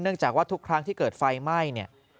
จากว่าทุกครั้งที่เกิดไฟไหม้เนี่ย